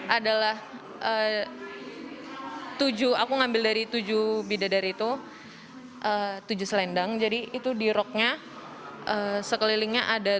adalah tujuh aku ngambil dari tujuh bidadar itu tujuh selendang jadi itu di rocknya sekelilingnya ada